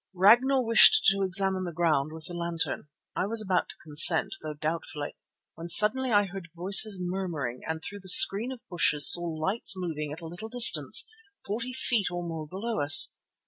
Ragnall wished to examine the ground with the lantern. I was about to consent, though doubtfully, when suddenly I heard voices murmuring and through the screen of bushes saw lights moving at a little distance, forty feet or more below us.